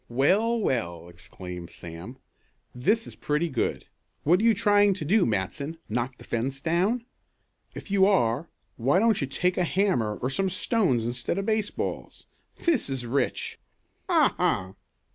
"Well, well!" exclaimed Sam. "This is pretty good. What are you trying to do, Matson, knock the fence down? If you are, why don't you take a hammer or some stones instead of baseballs? This is rich! Ha! Ha!"